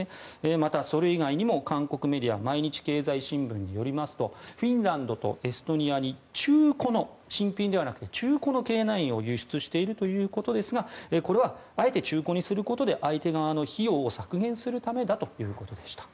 また、それ以外にも韓国メディア毎日経済新聞によりますとフィンランドとエストニアに中古の新品ではなく中古のＫ９を輸出しているということですがこれはあえて中古にすることで相手側の費用を削減するためだということでした。